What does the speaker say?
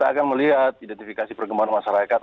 apa dengan kemampuan masyarakat apa dengan kemampuan masyarakat